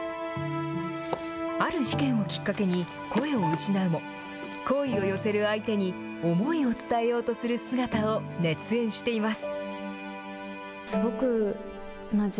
ある事件をきっかけに声を失うも、好意を寄せる相手に思いを伝えようとする姿を熱演しています。